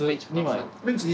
２枚。